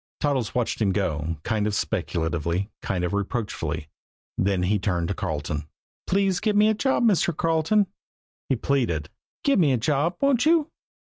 Toddles watched him go kind of speculatively, kind of reproachfully. Then he turned to Carleton. "Please give me a job, Mr. Carleton," he pleaded. "Give me a job, won't you?"